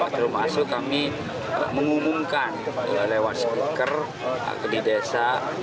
termasuk kami mengumumkan lewat speaker di desa